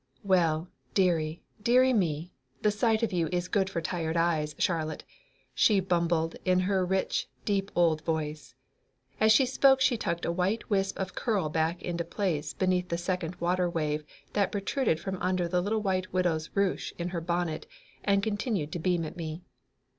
"Well, dearie, dearie me, the sight of you is good for tired eyes, Charlotte," she bumbled in her rich, deep old voice. As she spoke she tucked a white wisp of a curl back into place beneath the second water wave that protruded from under the little white widow's ruche in her bonnet and continued to beam at me.